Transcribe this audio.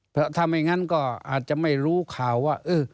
เพราะถ้าไม่งั้นก็อาจจะไม่รู้ข่าวว่า